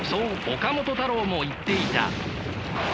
岡本太郎も言っていた。